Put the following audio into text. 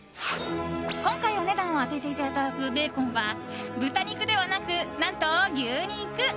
今回、お値段を当てていただくベーコンは豚肉ではなく、何と牛肉。